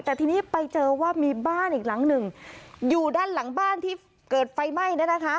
แต่ทีนี้ไปเจอว่ามีบ้านอีกหลังหนึ่งอยู่ด้านหลังบ้านที่เกิดไฟไหม้